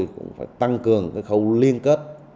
chúng tôi tăng cường khâu liên kết